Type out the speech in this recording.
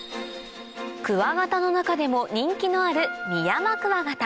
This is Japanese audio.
クワガタの中でも人気のあるミヤマクワガタ